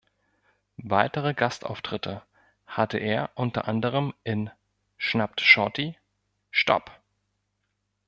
Weitere Gastauftritte hatte er unter anderem in "Schnappt Shorty", "Stop!